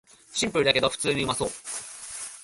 シンプルだけど普通にうまそう